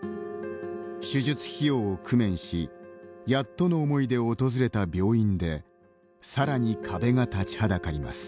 手術費用を工面しやっとの思いで訪れた病院でさらに壁が立ちはだかります。